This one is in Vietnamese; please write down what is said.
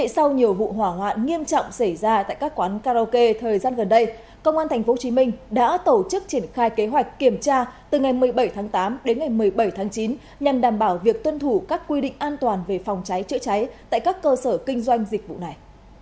sau nhiều vụ hỏa hoạn nghiêm trọng xảy ra tại các quán karaoke thời gian gần đây công an tp hcm đã tổ chức triển khai kế hoạch kiểm tra từ ngày một mươi bảy tháng tám đến ngày một mươi bảy tháng chín nhằm đảm bảo việc tuân thủ các quy định an toàn về phòng cháy chữa cháy tại các cơ sở kinh doanh dịch vụ này